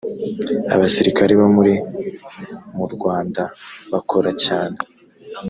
abasirikari bo muri murwanda bakoracyane.